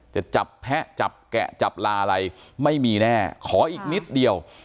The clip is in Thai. จะจับแพะจับแกะจับลาอะไรไม่มีแน่ขออีกนิดเดียว